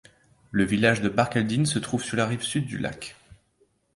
Le village de Barcaldine se trouve sur la rive sud du lac.